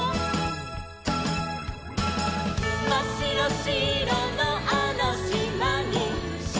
「まっしろしろのあのしまに」